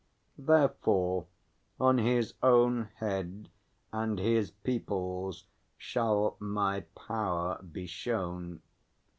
Therefore on his own Head and his people's shall my power be shown.